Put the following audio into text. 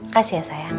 kasih ya sayang